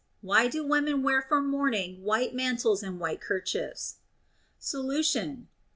Why do women wear for mourning white mantles and white kerchiefs ? Solution.